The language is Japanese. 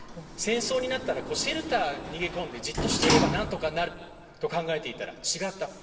戦争になったらシェルターに逃げ込んでじっとしていたら何とかなると考えていたら違ったと。